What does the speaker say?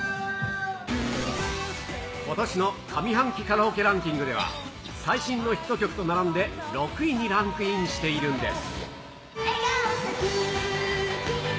ことしの上半期カラオケランキングでは、最新のヒット曲と並んで、６位にランクインしているんです。